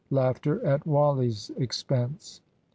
(Laughter, at Wally's expense.)